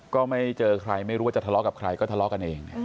ก็ไม่เจอใครไม่รู้ว่าจะทะเลาะกับใครก็ทะเลาะกันเอง